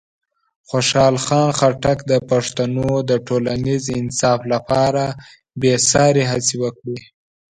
خوشحال خان خټک د پښتنو د ټولنیز انصاف لپاره بېساري هڅې وکړې.